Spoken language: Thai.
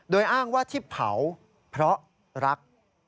โดยอ้างว่าที่เผาเพราะรัก